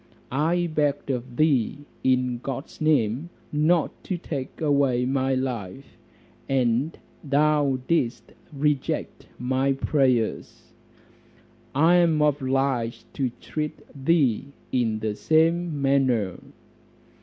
I begged of thee in God's name not to take away my life, and thou didst reject my prayers; I am obliged to treat thee in the same manner."